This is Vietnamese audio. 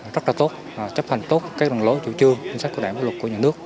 rất là tốt chấp hành tốt các đường lối chủ trương chính sách của đảng và luật của nhà nước